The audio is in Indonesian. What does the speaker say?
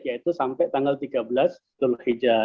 yaitu sampai tanggal tiga belas dhul hijjah